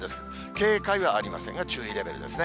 警戒ではありませんが、注意レベルですね。